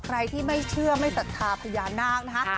ใครที่ไม่เชื่อไม่ศรัทธาพญานาคนะคะ